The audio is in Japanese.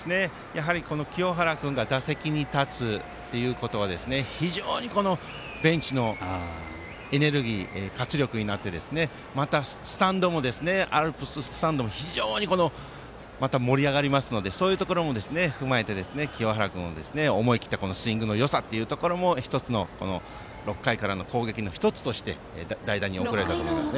清原君が打席に立つということは非常にベンチのエネルギー活力になってまたアルプススタンドも非常に盛り上がりますのでそういうところも踏まえて清原君の思い切ったスイングのよさというところも１つの６回からの攻撃の１つとして代打に送られたと思います。